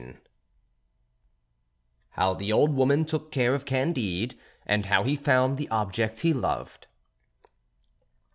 VII HOW THE OLD WOMAN TOOK CARE OF CANDIDE, AND HOW HE FOUND THE OBJECT HE LOVED.